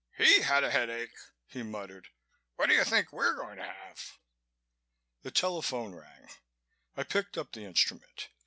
"He had a headache!" he muttered. "What do you think we're going to have?" The telephone rang. I picked up the instrument.